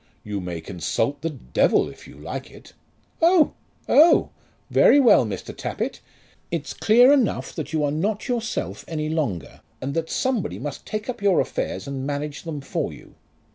"You may consult the devil, if you like it." "Oh, oh! very well, Mr. Tappitt. It's clear enough that you're not yourself any longer, and that somebody must take up your affairs and manage them for you.